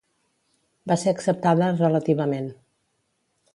Va ser acceptada relativament.